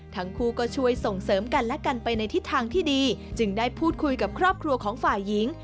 ทั้งคู่ก็ช่วยส่งเสริมกันและกันไปในทิศทางที่ดีจึงได้พูดคุยกับครอบครัวของฝ่ายหญิง